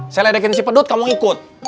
saya ledekin si pedut kamu ikut